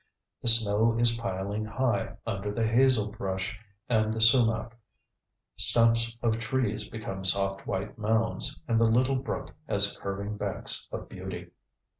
The snow is piling high under the hazelbrush and the sumac, stumps of trees become soft white mounds, and the little brook has curving banks of beauty.